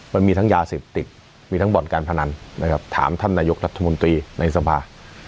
มันมีทั้งยาเสพติดมีทั้งบ่อนการพนันนะครับถามท่านนายกรัฐมนตรีในสภา